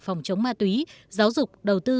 phòng chống ma túy giáo dục đầu tư